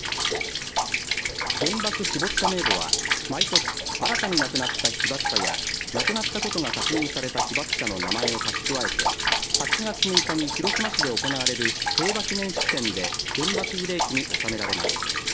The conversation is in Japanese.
原爆死没者名簿は毎年、新たに亡くなった被爆者や亡くなったことが確認された被爆者の名前を書き加えて８月６日に広島市で行われる平和記念式典で原爆慰霊碑に納められます。